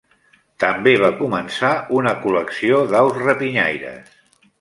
També va començar una col·lecció d"aus rapinyaires.